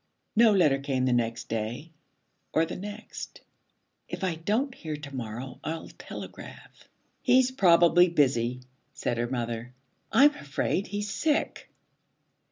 No letter came the next day, or the next. 'If I don't hear to morrow, I'll telegraph.' 'He's probably busy,' said her mother. 'I'm afraid he's sick.'